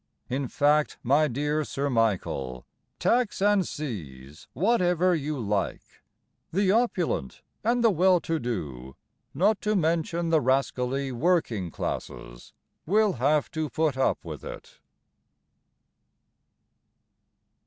In fact, my dear Sir Michael, Tax and seize whatever you like. The opulent, and the well to do, Not to mention the rascally working classes, Will have to put up with it.